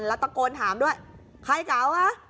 แล้วตะโกนถามด้วยใครเจอปืนกับมา